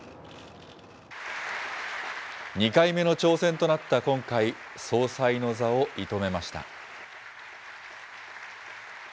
２回目の挑戦となった今回、総裁の座を射止めました。